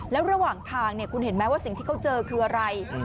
แล้วระหว่างทางคุณเห็นไหมว่าสิ่งที่เขาเจอคืออะไร